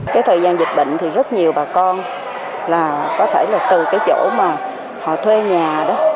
cái thời gian dịch bệnh thì rất nhiều bà con là có thể là từ cái chỗ mà họ thuê nhà đó